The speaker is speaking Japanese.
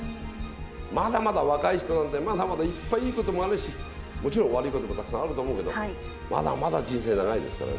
まだまだ若い人なんて、まだまだいっぱいいいこともあるし、もちろん悪いこともたくさんあると思うけど、まだまだ人生長いですからね。